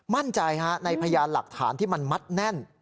มั่นใจในพยานหลักฐานที่มันมัดแน่น